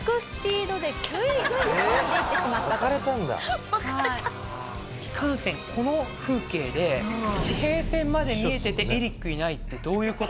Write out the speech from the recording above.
いかんせんこの風景で地平線まで見えててエリックいないってどういう事？